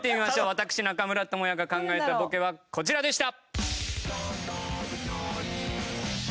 私中村倫也が考えたボケはこちらでした！